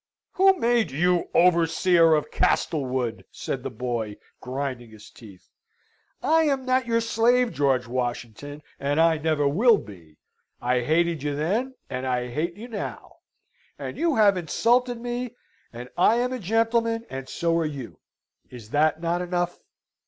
"Who made you the overseer of Castlewood?" said the boy, grinding his teeth. "I am not your slave, George Washington, and I never will be. I hated you then, and I hate you now. And you have insulted me, and I am a gentleman, and so are you. Is that not enough?"